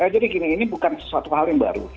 gini ini bukan sesuatu hal yang baru